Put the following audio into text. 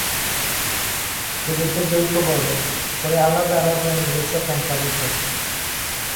শুরুতে যৌথভাবে, পরে আলাদা আলাদা নিজস্ব কোম্পানিতে।